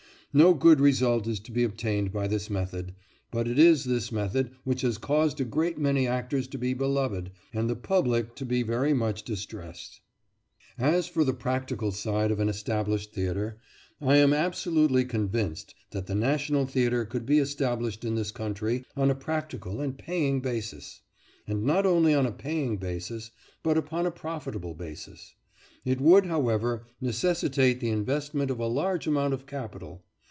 No good result is to be obtained by this method, but it is this method which has caused a great many actors to be beloved, and the public to be very much distressed. As for the practical side of an established theatre, I am absolutely convinced that the national theatre could be established in this country on a practical and paying basis; and not only on a paying basis, but upon a profitable basis. It would, however, necessitate the investment of a large amount of capital.